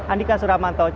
andika suramanto jakarta